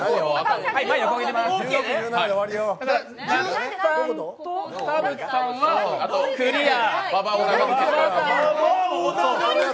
那須さんと田渕さんはクリア。